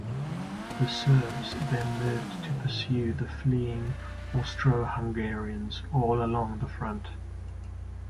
The Serbs then moved to pursue the fleeing Austro-Hungarians all along the front.